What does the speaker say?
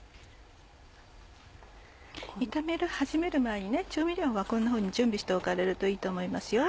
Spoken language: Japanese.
炒め始める前に調味料はこんなふうに準備しておかれるといいと思いますよ。